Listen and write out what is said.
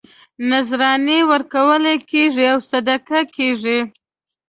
نذرانې ورکول کېږي او صدقې کېږي.